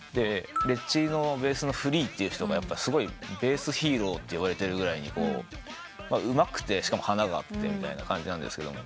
レッチリのベースのフリーって人がすごいベースヒーローっていわれてるぐらいにうまくて花があってみたいな感じなんですけど。